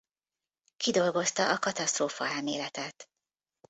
Kidolgozta a katasztrófa elméletet.